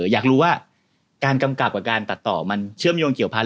อยากรู้ว่าการกำกับกับการตัดต่อมันเชื่อมโยงเกี่ยวพันธ